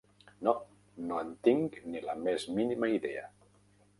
No, no en tinc ni la més mínima idea.